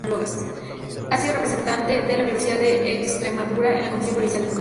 Ha sido representante de la Universidad de Extremadura en la Comisión Provincial de Educación.